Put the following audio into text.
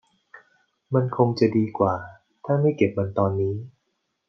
มันคงจะดีกว่าถ้าไม่เก็บมันตอนนี้